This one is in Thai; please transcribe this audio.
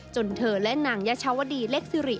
จนเธอและนางยชาวดีเล็กซิริ